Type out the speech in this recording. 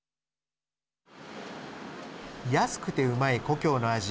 安くてうまい故郷の味